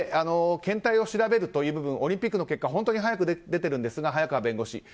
検体を調べるとオリンピックの結果本当に早く出ているんですが早川弁護士。